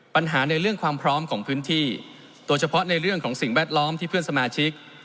ปัญหาในเรื่องความพร้อมของพื้นที่โดยเฉพาะในเรื่องของสิ่งแวดล้อมที่เพื่อนสมาชิก